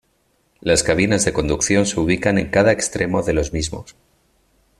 Las cabinas de conducción se ubican en cada extremo de los mismos.